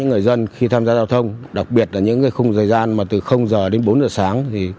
những khung dày gian từ h đến bốn h sáng